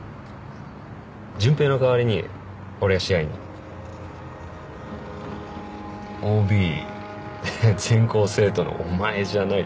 純平の代わりに俺が試合にＯＢ全校生徒の「お前じゃない」